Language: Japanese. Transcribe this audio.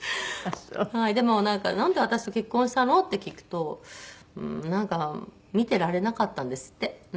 でも「なんで私と結婚したの？」って聞くとなんか見ていられなかったんですって。